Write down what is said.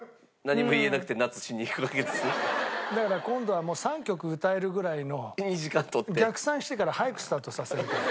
だから今度は３曲歌えるぐらいの逆算してから早くスタートさせるから。